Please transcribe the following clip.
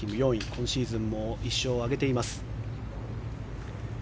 今シーズンも１勝を挙げています。